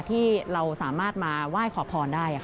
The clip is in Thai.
ที่เราสามารถมาไหว้ขอพรได้